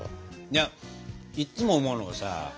いやいっつも思うのがさ